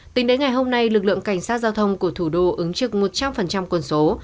tính đến ngày hôm nay lực lượng cảnh sát giao thông của thủ đô ứng trực một trăm linh quân số